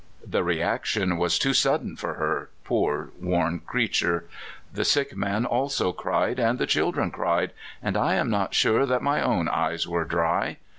The reaction was too sudden for her — poor, worn creat ure! The sick man also cried, and the children cried — and I am not sure my own eyes were dry.